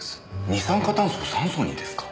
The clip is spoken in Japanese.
二酸化炭素を酸素にですか？